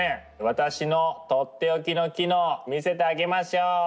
私の取って置きの機能見せてあげましょう。